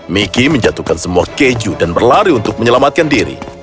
miki menjatuhkan semua keju dan berlari untuk menyelamatkan diri